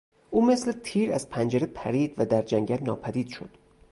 او مثل تیر از پنجره پرید و در جنگل ناپدید شد.